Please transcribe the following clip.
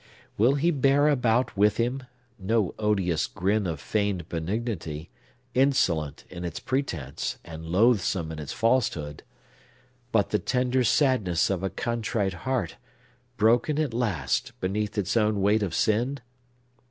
Will he bear about with him,—no odious grin of feigned benignity, insolent in its pretence, and loathsome in its falsehood,—but the tender sadness of a contrite heart, broken, at last, beneath its own weight of sin?